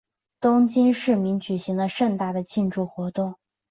东京市民举行了盛大的庆祝活动。